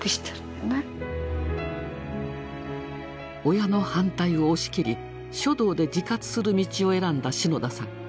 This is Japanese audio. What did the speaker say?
親の反対を押し切り書道で自活する道を選んだ篠田さん。